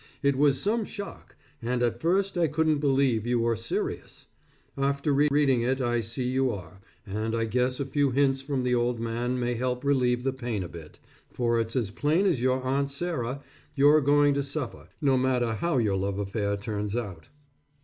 It was some shock; and at first I couldn't believe you were serious; after re reading it I see you are, and I guess a few hints from the old man may help relieve the pain a bit, for it's as plain as your Aunt Sarah you're going to suffer, no matter how your love affair turns out.